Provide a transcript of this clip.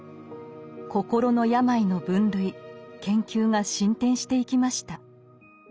心の病の分類研究が進展していきました。